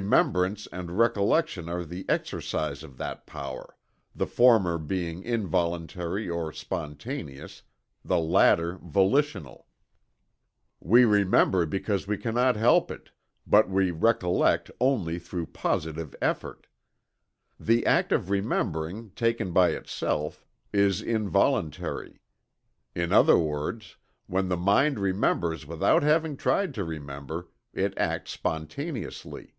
Remembrance and Recollection are the exercise of that power, the former being involuntary or spontaneous, the latter volitional. We remember because we cannot help it but we recollect only through positive effort. The act of remembering, taken by itself, is involuntary. In other words, when the mind remembers without having tried to remember, it acts spontaneously.